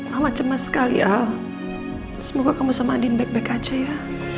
hai alat cemas sekali ya semoga kamu sama adin baik baik aja ya